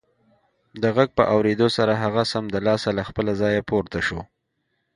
د غږ په اورېدو سره هغه سمدلاسه له خپله ځايه پورته شو